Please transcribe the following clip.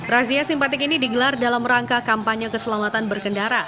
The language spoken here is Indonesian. razia simpatik ini digelar dalam rangka kampanye keselamatan berkendara